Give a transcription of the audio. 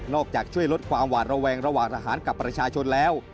จากช่วยลดความหวาดระแวงระหว่างทหารกับประชาชนแล้ว